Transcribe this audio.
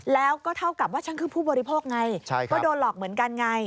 แล้วก็เท่ากับว่าฉันคือผู้บริโภคไงก็โดนหลอกเหมือนกันไง